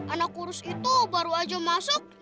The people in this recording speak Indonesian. anak kurus itu baru aja masuk